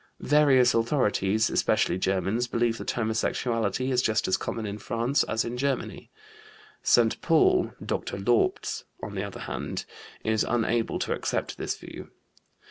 Various authorities, especially Germans, believe that homosexuality is just as common in France as in Germany. Saint Paul ("Dr. Laupts"), on the other hand, is unable to accept this view.